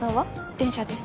電車です。